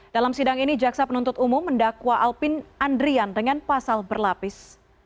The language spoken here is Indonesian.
dalam sidang ini jaksa penuntut umum mendakwa alpin andrian dengan pasal berlapis